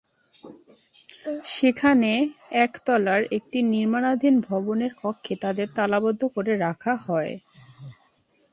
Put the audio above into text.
সেখানে একতলার একটি নির্মাণাধীন ভবনের কক্ষে তাঁদের তালাবদ্ধ করে রাখা হয়।